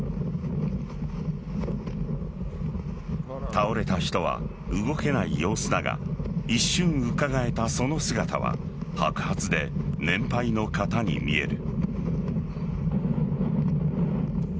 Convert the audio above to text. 倒れた人は動けない様子だが一瞬、うかがえたその姿は白髪で年配の方に見える。